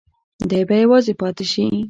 دی به یوازې پاتې شي.